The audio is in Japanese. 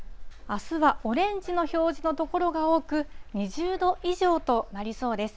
あすは、オレンジの表示の所が多く、２０度以上となりそうです。